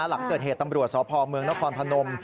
หลังเกิดเหตุตำรวจสพเมืองนครพนม